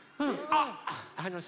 あっあのさ